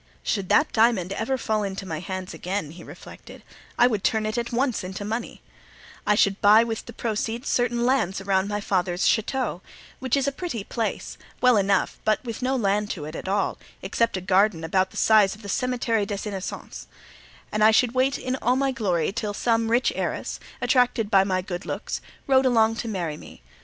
"Should that diamond ever fall into my hands again," he reflected, "I would turn it at once into money; I would buy with the proceeds certain lands around my father's chateau, which is a pretty place, well enough, but with no land to it at all, except a garden about the size of the Cemetery des Innocents; and I should wait in all my glory till some rich heiress, attracted by my good looks, rode along to marry me.